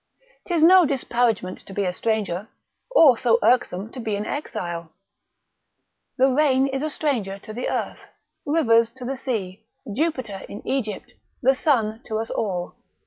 'Tis no disparagement to be a stranger, or so irksome to be an exile. The rain is a stranger to the earth, rivers to the sea, Jupiter in Egypt, the sun to us all.